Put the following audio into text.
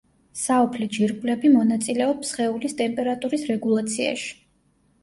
საოფლე ჯირკვლები მონაწილეობს სხეულის ტემპერატურის რეგულაციაში.